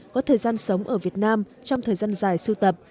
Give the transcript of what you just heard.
có thời gian sống ở việt nam trong thời gian dài siêu tập